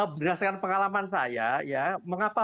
berdasarkan pengalaman saya ya mengapa